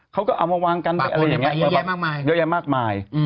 เขาก็เอามาวางกันไปอะไรอย่างนี้เยอะแยะมากมาย